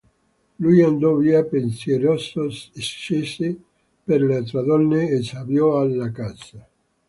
Lui andò via pensieroso, scese per lo stradone e s'avviò alla casa.